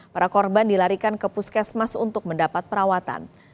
para korban dilarikan ke puskesmas untuk mendapat perawatan